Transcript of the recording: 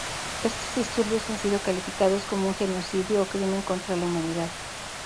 Estos disturbios han sido calificados como un genocidio o crimen contra la humanidad.